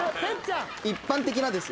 「一般的な」ですよ。